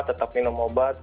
tetap minum obat